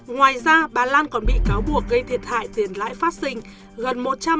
ngoài ra bà lan còn bị cáo buộc gây thiệt hại tiền lãi phát sinh